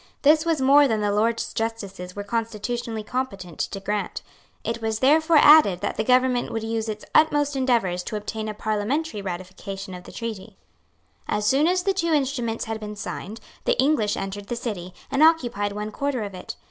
This was more than the Lords justices were constitutionally competent to grant. It was therefore added that the government would use its utmost endeavours to obtain a Parliamentary ratification of the treaty. As soon as the two instruments had been signed, the English entered the city, and occupied one quarter of it.